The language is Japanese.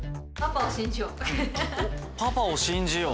パパを信じよう。